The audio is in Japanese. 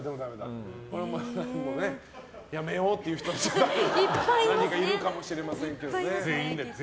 やめようっていう人たちがいるかもしれませんけど。